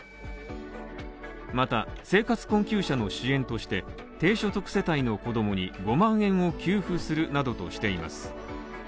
また生活困窮者の支援として低所得世帯の子供に５万円を給付するなどとしています。